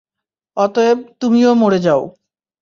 অতএব, তুমিও মরে যাও।